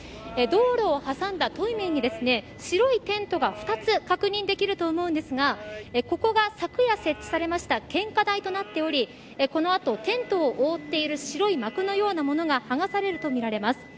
道路を挟んだ対面に白いテントが２つ確認できると思うんですがここが昨夜設置されました献花台となっておりこの後、テントを覆っている白い幕のようなものが剥がされるとみられます。